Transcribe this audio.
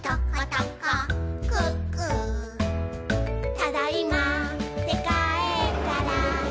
「ただいまーってかえったら」